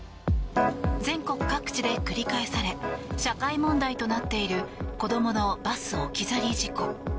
全国各地で繰り返され社会問題となっている子どものバス置き去り事故。